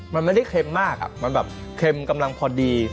มันไม่ได้เค็มมากมันแบบเค็มกำลังพอดี